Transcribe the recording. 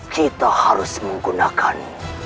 kita harus menggunakan